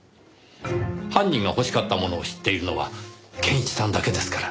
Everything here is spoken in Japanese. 犯人が欲しかったものを知っているのは健一さんだけですから。